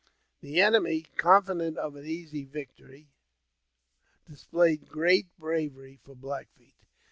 The enemy, confident of an easy victory, dis played great bravery for Black Feet.